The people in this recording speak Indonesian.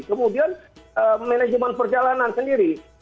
kemudian manajemen perjalanan sendiri